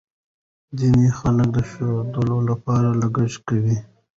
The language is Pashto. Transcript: ځینې خلک د ښودلو لپاره لګښت کوي.